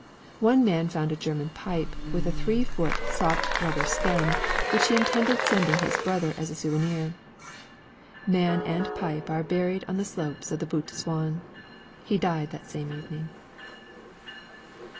One man found a German pipe with a three foot soft rubber stem, which he intended sending to his brother as a souvenir. Man and pipe are buried on the slopes of the Butte de Souain. He died that same evening.